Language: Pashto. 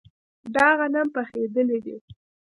دا غنم پخیدلي دي.